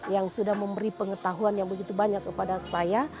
yang sudah memberi pengetahuan yang begitu banyak kepada saya